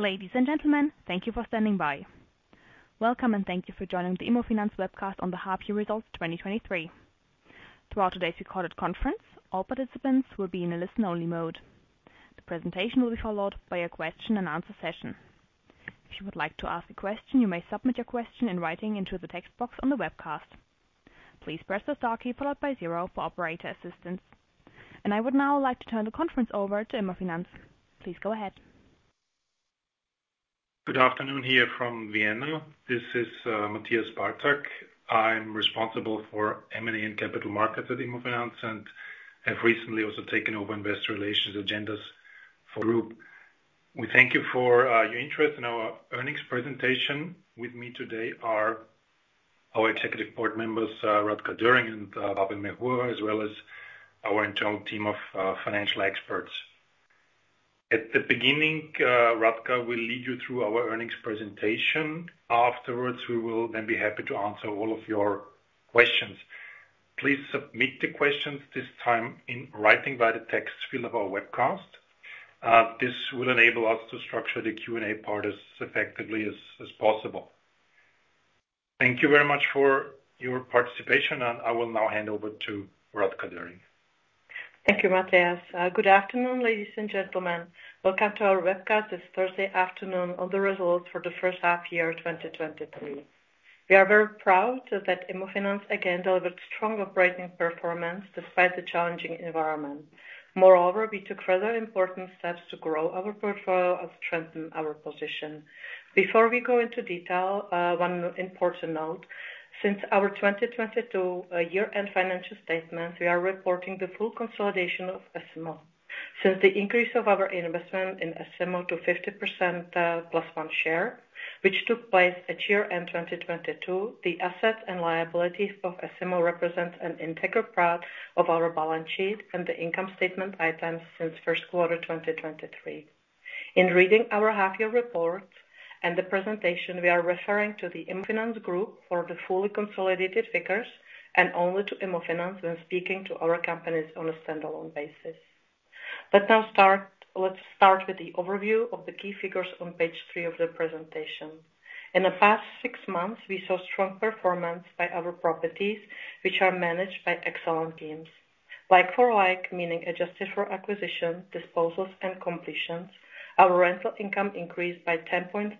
Ladies and gentlemen, thank you for standing by. Welcome, and thank you for joining the IMMOFINANZ webcast on the half year results, 2023. Throughout today's recorded conference, all participants will be in a listen-only mode. The presentation will be followed by a question and answer session. If you would like to ask a question, you may submit your question in writing into the text box on the webcast. Please press the star key followed by zero for operator assistance. I would now like to turn the conference over to IMMOFINANZ. Please go ahead. Good afternoon, here from Vienna. This is Mathias Bartak. I'm responsible for M&A and Capital Markets at Immofinanz, and have recently also taken over investor relations agendas for group. We thank you for your interest in our earnings presentation. With me today are our executive board members, Radka Doehring and Pavel Měchura, as well as our internal team of financial experts. At the beginning, Radka will lead you through our earnings presentation. Afterwards, we will then be happy to answer all of your questions. Please submit the questions this time in writing by the text field of our webcast. This will enable us to structure the Q&A part as effectively as possible. Thank you very much for your participation, and I will now hand over to Radka Doehring. Thank you, Mathias. Good afternoon, ladies and gentlemen. Welcome to our webcast this Thursday afternoon on the results for the first half year, 2023. We are very proud that Immofinanz again delivered strong operating performance despite the challenging environment. Moreover, we took further important steps to grow our portfolio and strengthen our position. Before we go into detail, one important note: since our 2022 year-end financial statements, we are reporting the full consolidation of S IMMO. Since the increase of our investment in S IMMO to 50% plus one share, which took place at year-end 2022, the assets and liabilities of S IMMO represents an integral part of our balance sheet and the income statement items since first quarter, 2023. In reading our half year report and the presentation, we are referring to the IMMOFINANZ Group for the fully consolidated figures and only to IMMOFINANZ when speaking to our companies on a standalone basis. Let's start with the overview of the key figures on page 3 of the presentation. In the past six months, we saw strong performance by our properties, which are managed by excellent teams. Like for like, meaning adjusted for acquisition, disposals, and completions, our rental income increased by 10.3%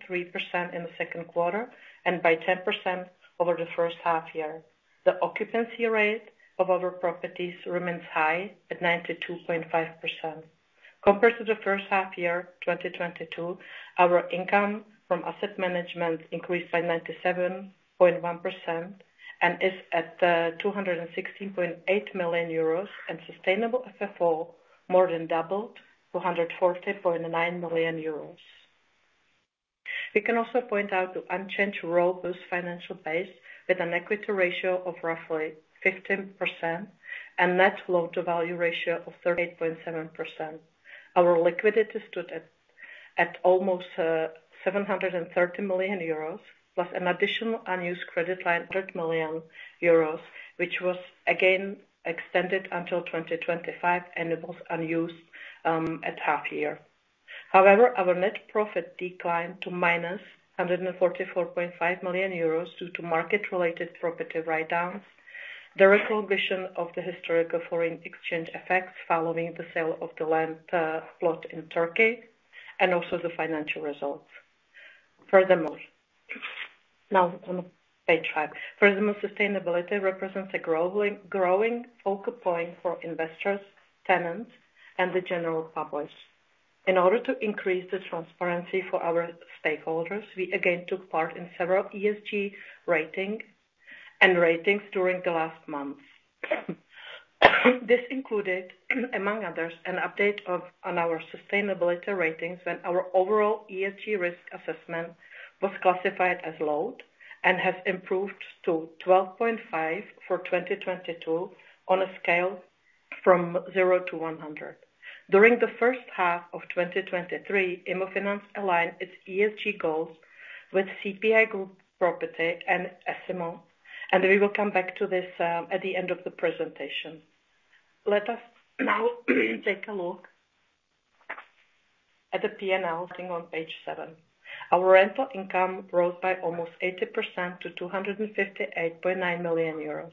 in the second quarter and by 10% over the first half year. The occupancy rate of our properties remains high at 92.5%. Compared to the first half year, 2022, our income from asset management increased by 97.1% and is at 216.8 million euros, and sustainable FFO more than doubled to 140.9 million euros. We can also point out the unchanged robust financial base with an equity ratio of roughly 15% and Net Loan-to-Value ratio of 38.7%. Our liquidity stood at almost 730 million euros, plus an additional unused credit line of 100 million euros, which was again extended until 2025 and it was unused at half year. However, our net profit declined to -144.5 million euros due to market-related property write-downs, the recognition of the historical foreign exchange effects following the sale of the land plot in Turkey, and also the financial results. Furthermore, now on page five. Furthermore, sustainability represents a growing, growing focal point for investors, tenants, and the general public. In order to increase the transparency for our stakeholders, we again took part in several ESG rating and ratings during the last months. This included, among others, an update of, on our sustainability ratings, when our overall ESG risk assessment was classified as low and has improved to 12.5 for 2022 on a scale from 0 to 100. During the first half of 2023, IMMOFINANZ aligned its ESG goals with CPI Property Group and S IMMO, and we will come back to this at the end of the presentation. Let us now take a look at the P&L on page seven. Our rental income rose by almost 80% to 258.9 million euros.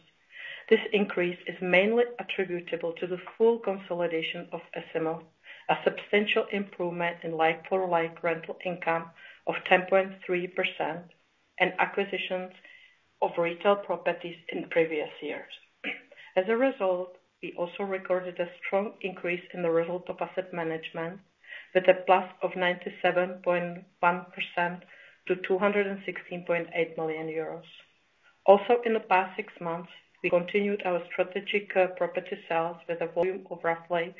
This increase is mainly attributable to the full consolidation of S IMMO, a substantial improvement in like-for-like rental income of 10.3%, and acquisitions of retail properties in previous years. As a result, we also recorded a strong increase in the result of asset management with a plus of 97.1% to 216.8 million euros. Also, in the past six months, we continued our strategic property sales with a volume of roughly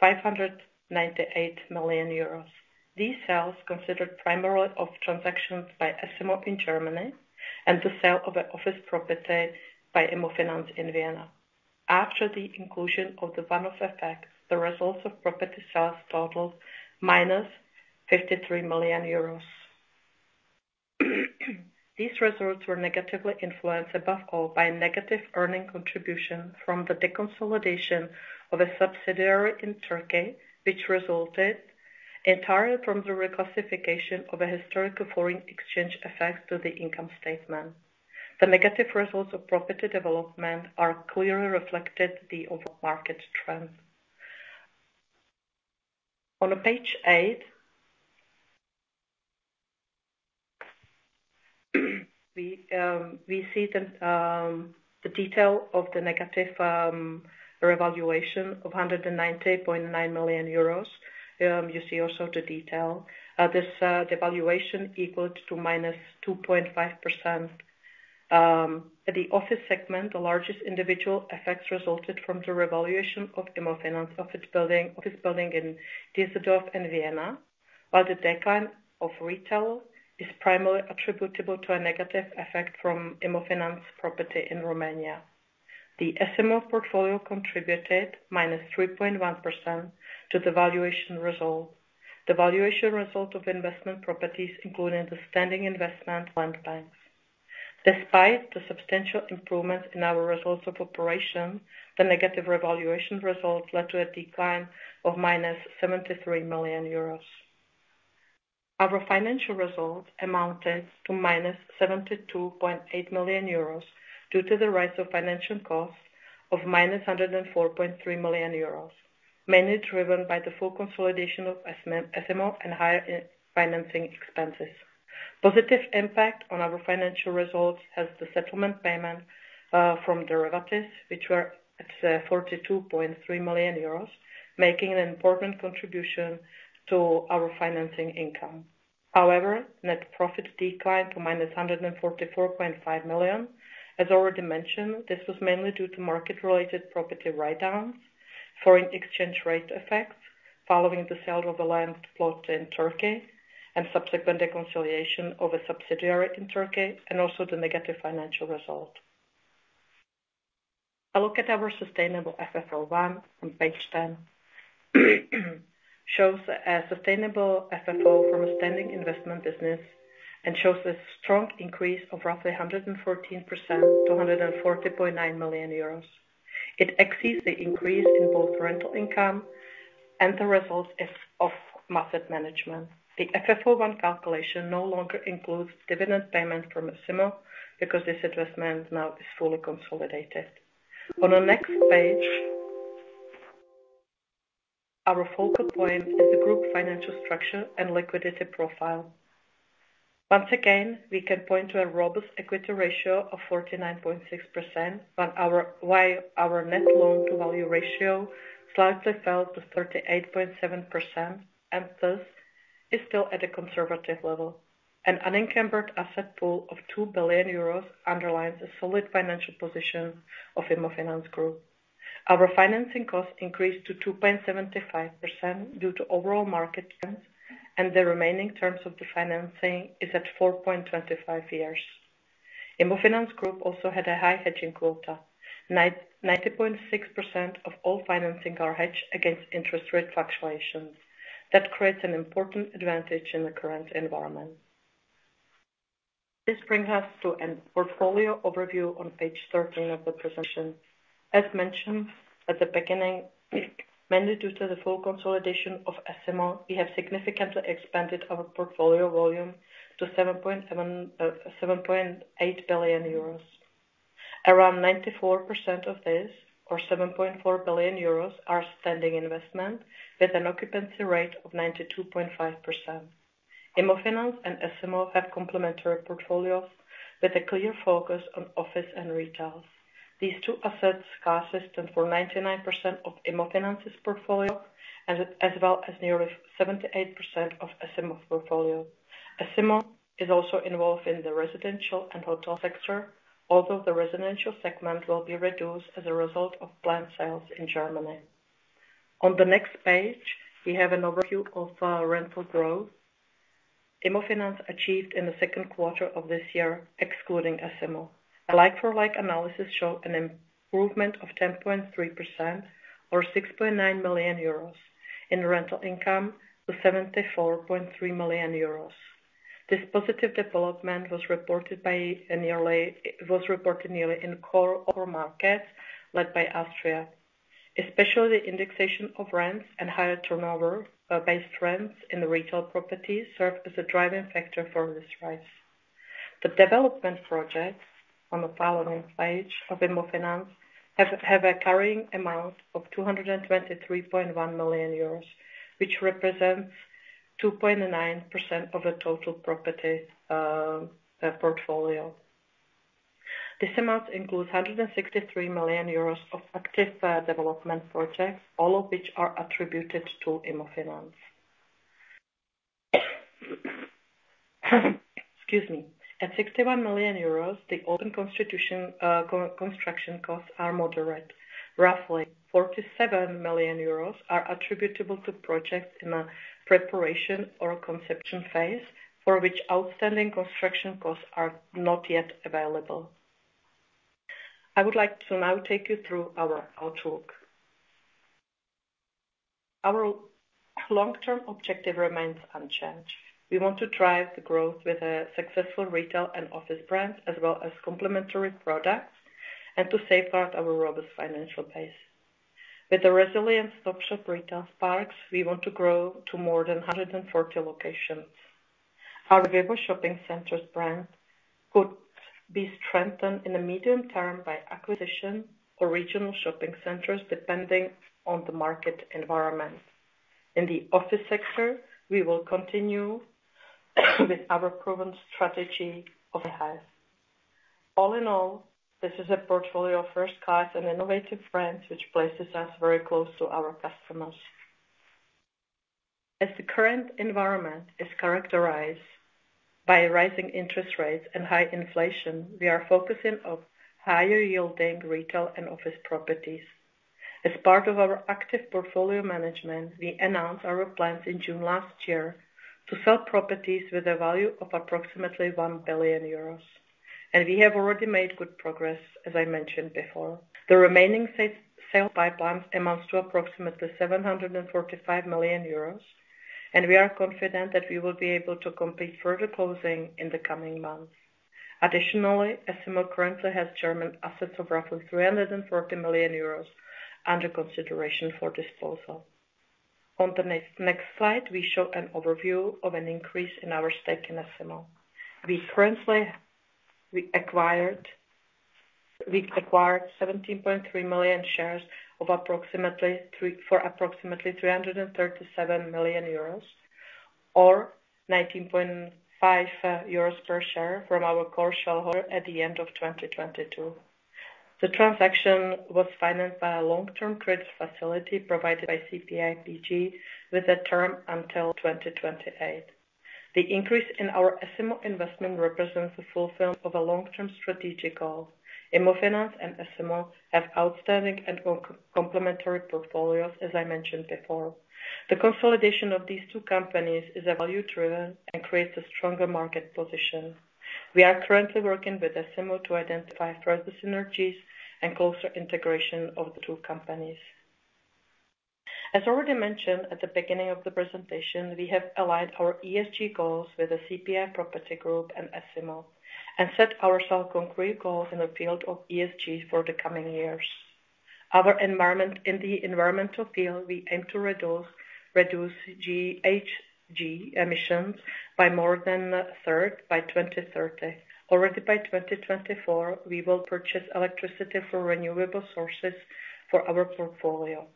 598 million euros. These sales considered primarily of transactions by S IMMO in Germany and the sale of an office property by IMMOFINANZ in Vienna. After the inclusion of the one-off effect, the results of property sales totaled -EUR 53 million... These results were negatively influenced, above all, by a negative earning contribution from the deconsolidation of a subsidiary in Turkey, which resulted entirely from the reclassification of a historical foreign exchange effect to the income statement. The negative results of property development are clearly reflected the overall market trend. On page eight, we see the detail of the negative revaluation of 190.9 million euros. You see also the detail. This devaluation equals to -2.5%. At the office segment, the largest individual effects resulted from the revaluation of Immofinanz office building, office building in Düsseldorf and Vienna, while the decline of retail is primarily attributable to a negative effect from Immofinanz property in Romania. The S IMMO portfolio contributed -3.1% to the valuation result. The valuation result of investment properties, including the standing investment land banks. Despite the substantial improvement in our results of operation, the negative revaluation results led to a decline of -73 million euros. Our financial results amounted to -72.8 million euros, due to the rise of financial costs of -104.3 million euros, mainly driven by the full consolidation of S IMMO and higher financing expenses. Positive impact on our financial results has the settlement payment from derivatives, which were at 42.3 million euros, making an important contribution to our financing income. However, net profit declined to -144.5 million. As already mentioned, this was mainly due to market-related property write-downs, foreign exchange rate effects, following the sale of the land plot in Turkey, and subsequent reconciliation of a subsidiary in Turkey, and also the negative financial result. A look at our sustainable FFO 1 on page 10 shows a sustainable FFO from a standing investment business and shows a strong increase of roughly 114% to 140.9 million euros. It exceeds the increase in both rental income and the results of asset management. The FFO 1 calculation no longer includes dividend payments from S IMMO, because this investment now is fully consolidated. On the next page, our focal point is the group financial structure and liquidity profile. Once again, we can point to a robust equity ratio of 49.6% on our while our net loan-to-value ratio slightly fell to 38.7%, and thus is still at a conservative level. An unencumbered asset pool of 2 billion euros underlines the solid financial position of IMMOFINANZ Group. Our financing costs increased to 2.75% due to overall market trends, and the remaining terms of the financing is at 4.25 years. IMMOFINANZ Group also had a high hedging quota. 90.6% of all financing are hedged against interest rate fluctuations. That creates an important advantage in the current environment. This brings us to a portfolio overview on page 13 of the presentation. As mentioned at the beginning, mainly due to the full consolidation of S IMMO, we have significantly expanded our portfolio volume to 7.8 billion euros. Around 94% of this, or 7.4 billion euros, are standing investment, with an occupancy rate of 92.5%. Immofinanz and S IMMO have complementary portfolios with a clear focus on office and retail. These two asset classes account for 99% of Immofinanz's portfolio, as well as nearly 78% of S IMMO's portfolio. S IMMO is also involved in the residential and hotel sector, although the residential segment will be reduced as a result of planned sales in Germany. On the next page, we have an overview of rental growth Immofinanz achieved in the second quarter of this year, excluding S IMMO. A like-for-like analysis showed an improvement of 10.3%, or 6.9 million euros in rental income to 74.3 million euros. This positive development was reported nearly in core markets, led by Austria. Especially the indexation of rents and higher turnover based rents in the retail properties served as a driving factor for this rise. The development projects on the following page of IMMOFINANZ have a carrying amount of 223.1 million euros, which represents 2.9% of the total property portfolio. This amount includes 163 million euros of active development projects, all of which are attributed to IMMOFINANZ. Excuse me. At 61 million euros, the open construction costs are moderate. Roughly 47 million euros are attributable to projects in a preparation or a conception phase, for which outstanding construction costs are not yet available. I would like to now take you through our outlook. Our long-term objective remains unchanged. We want to drive the growth with a successful retail and office brand, as well as complementary products, and to safeguard our robust financial base. With the resilient STOP SHOP retail parks, we want to grow to more than 140 locations. Our VIVO! shopping centers brand could be strengthened in the medium term by acquisition or regional shopping centers, depending on the market environment. In the office sector, we will continue with our proven strategy of the highest. All in all, this is a portfolio of first class and innovative brands, which places us very close to our customers. As the current environment is characterized by rising interest rates and high inflation, we are focusing on higher yielding retail and office properties. As part of our active portfolio management, we announced our plans in June last year to sell properties with a value of approximately 1 billion euros, and we have already made good progress, as I mentioned before. The remaining sales pipeline amounts to approximately 745 million euros, and we are confident that we will be able to complete further closings in the coming months. Additionally, S IMMO currently has German assets of roughly 340 million euros under consideration for disposal. On the next slide, we show an overview of an increase in our stake in S IMMO. We currently acquired 17.3 million shares for approximately 337 million euros, or 19.5 euros per share from our core shareholder at the end of 2022. The transaction was financed by a long-term credit facility provided by CPI PG, with a term until 2028. The increase in our S IMMO investment represents the fulfillment of a long-term strategic goal. Immofinanz and S IMMO have outstanding and complementary portfolios, as I mentioned before. The consolidation of these two companies is value-driven and creates a stronger market position. We are currently working with S IMMO to identify further synergies and closer integration of the two companies. As already mentioned, at the beginning of the presentation, we have aligned our ESG goals with the CPI Property Group and S IMMO, and set ourselves concrete goals in the field of ESG for the coming years. In the environmental field, we aim to reduce GHG emissions by more than a third by 2030. Already by 2024, we will purchase electricity from renewable sources for our portfolio.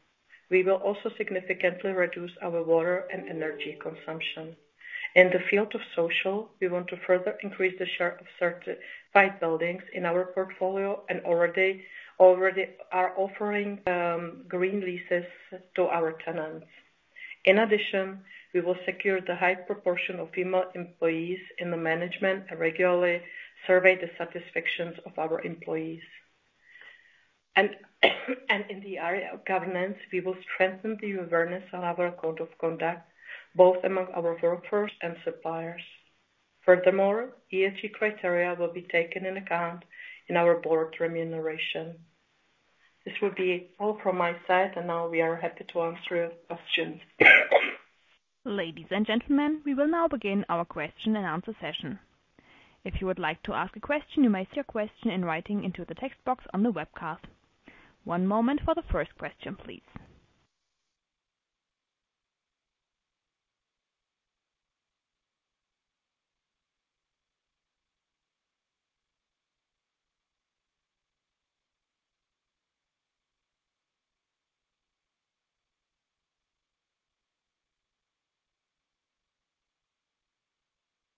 We will also significantly reduce our water and energy consumption. In the field of social, we want to further increase the share of certified buildings in our portfolio and already are offering green leases to our tenants. In addition, we will secure the high proportion of female employees in the management and regularly survey the satisfaction of our employees. In the area of governance, we will strengthen the awareness on our code of conduct, both among our workers and suppliers. Furthermore, ESG criteria will be taken in account in our board remuneration. This will be all from my side, and now we are happy to answer your questions. Ladies and gentlemen, we will now begin our question and answer session. If you would like to ask a question, you may send your question in writing into the text box on the webcast. One moment for the first question, please.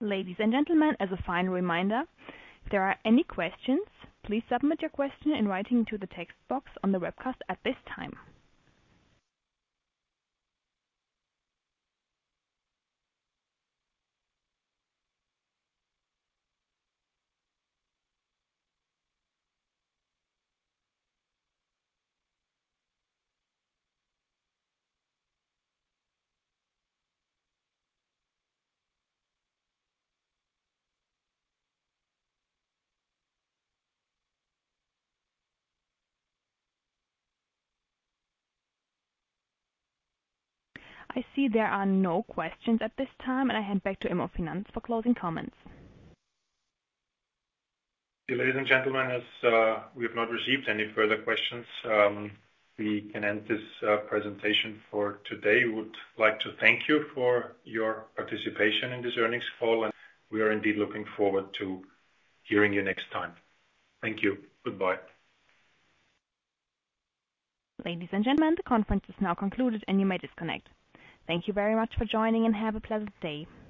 Ladies and gentlemen, as a final reminder, if there are any questions, please submit your question in writing into the text box on the webcast at this time. I see there are no questions at this time, and I hand back to IMMOFINANZ for closing comments. Ladies and gentlemen, as we have not received any further questions, we can end this presentation for today. We would like to thank you for your participation in this earnings call, and we are indeed looking forward to hearing you next time. Thank you. Goodbye. Ladies and gentlemen, the conference is now concluded and you may disconnect. Thank you very much for joining and have a pleasant day. Goodbye.